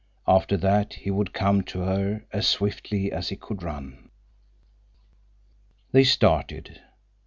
After that he would come to her as swiftly as he could run. They started.